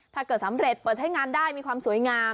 ถ้าเกิดสำเร็จเปิดใช้งานได้มีความสวยงาม